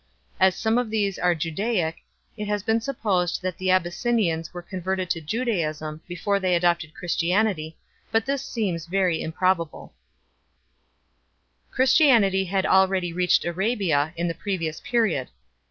As some of these are Judaic, it has been supposed that the Abyssinians were converted to Judaism before they adopted Christianity, but this seems very improbable 2 . Christianity had already reached Arabia in the pre vious period.